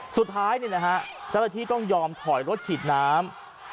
สุดท้ายเจ้าหน้าที่ต้องยอมถอยรถฉีดน้ำ